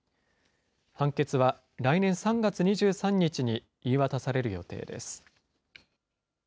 判決は来年３月２３日に言い渡される予定です。